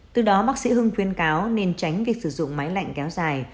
từ đó bác sĩ hưng khuyên cáo nên tránh việc sử dụng máy lạnh kéo dài